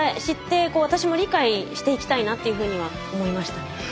知って私も理解していきたいなというふうには思いましたね。